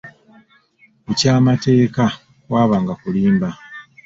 Ku ky'amateeka kwabanga kulimba.